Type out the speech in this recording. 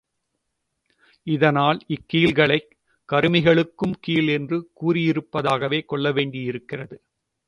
இதனால் இக் கீழ்களைக் கருமிகளுக்கும் கீழ் என்று கூறியிருப்பதாகவே கொள்ளவேண்டியிருக்கிறது.